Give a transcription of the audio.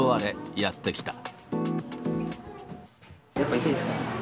やっぱり痛いですか？